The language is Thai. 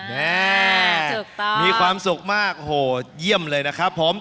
นี่มีความสุขมากโหดเยี่ยมเลยนะครับผม